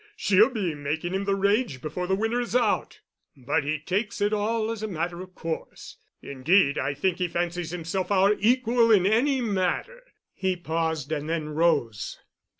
She'll be making him the rage before the winter is out. But he takes it all as a matter of course. Indeed, I think he fancies himself our equal in any matter." He paused and then rose.